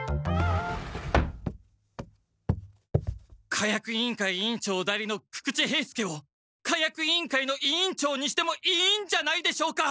火薬委員会委員長代理の久々知兵助を火薬委員会の委員長にしてもいいんじゃないでしょうか。